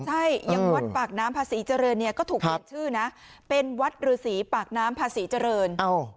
ใช่ยังวัดปากน้ำพาศรีเจริญก็ถูกเป็นชื่อเป็นวัดรือสีปากน้ำพาศรีเจริญ